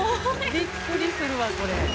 びっくりするわこれ。